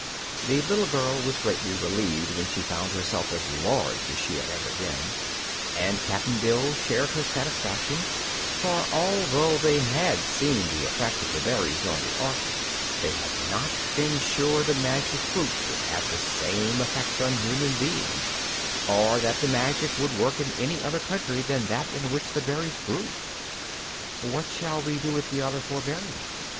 The little girl was greatly relieved when she found herself as large as she had ever been, and Cap'n Bill shared her satisfaction; for, although they had seen the effect of the berries on the Ork, they had not been sure the magic fruit would have the same effect on human beings, or that the magic would work in any other country than that in which the berries grew. "What shall we do with the other four berries?"